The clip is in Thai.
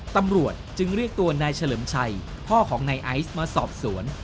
ตำรวจจึงเรียกตัวนายเฉลิมชัยพ่อของนายไอซ์มาสอบสวน